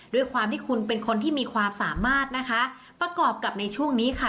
ด้วยความที่คุณเป็นคนที่มีความสามารถนะคะประกอบกับในช่วงนี้ค่ะ